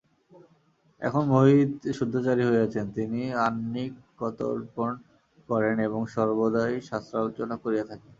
এখন মোহিত শুদ্ধাচারী হইয়াছেন, তিনি আহ্নিকতর্পণ করেন এবং সর্বদাই শাস্ত্রালোচনা করিয়া থাকেন।